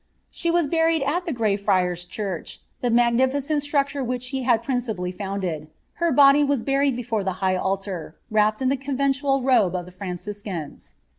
She was buried at the Grey Friars church, the magnificent tn^ turn which she had principally founded;' her body was buried bdiai the high altar, wrapped in the convenlutd robe of the Franciseaiu.